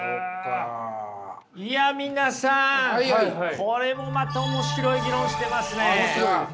いや皆さんこれもまた面白い議論してますね。